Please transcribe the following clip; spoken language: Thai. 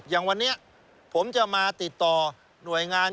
อย่างวันนี้ผมจะมาติดต่อหน่วยงาน